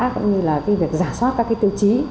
cũng như là việc giả soát các tiêu chí